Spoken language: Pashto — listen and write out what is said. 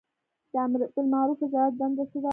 د امربالمعروف وزارت دنده څه ده؟